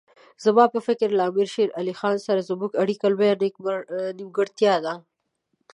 زما په فکر له امیر شېر علي سره زموږ اړیکو لویه نیمګړتیا ده.